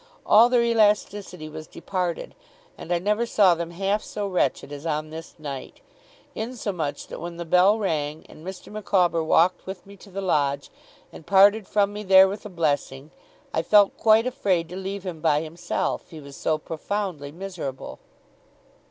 All their elasticity was departed, and I never saw them half so wretched as on this night; insomuch that when the bell rang, and Mr. Micawber walked with me to the lodge, and parted from me there with a blessing, I felt quite afraid to leave him by himself, he was so profoundly miserable.